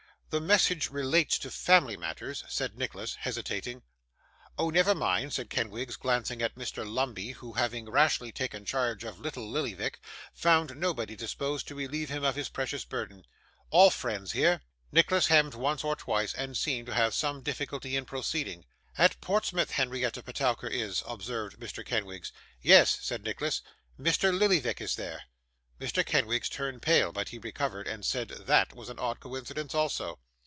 'The message relates to family matters,' said Nicholas, hesitating. 'Oh, never mind,' said Kenwigs, glancing at Mr. Lumbey, who, having rashly taken charge of little Lillyvick, found nobody disposed to relieve him of his precious burden. 'All friends here.' Nicholas hemmed once or twice, and seemed to have some difficulty in proceeding. 'At Portsmouth, Henrietta Petowker is,' observed Mr. Kenwigs. 'Yes,' said Nicholas, 'Mr. Lillyvick is there.' Mr. Kenwigs turned pale, but he recovered, and said, THAT was an odd coincidence also.